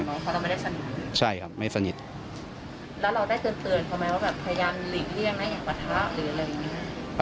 ตอนตอนนี้ผมไม่ได้เตือน